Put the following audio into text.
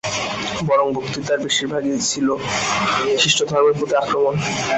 বরং বক্তৃতার বেশীর ভাগ ছিল খ্রীষ্টধর্মের প্রতি আক্রমণ।